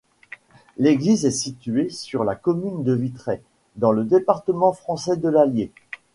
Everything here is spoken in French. L'église est située sur la commune de Vitray, dans le département français de l'Allier.